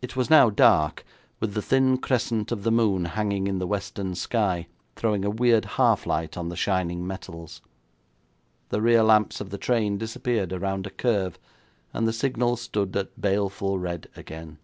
It was now dark, with the thin crescent of the moon hanging in the western sky throwing a weird half light on the shining metals. The rear lamps of the train disappeared around a curve, and the signal stood at baleful red again.